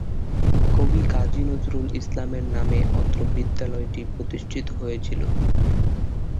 কবি কাজী নজরুল ইসলামের নামে অত্র বিদ্যালয়টি প্রতিষ্ঠিত হয়েছিলো।